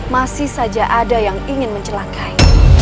masih saja ada yang ingin mencelakai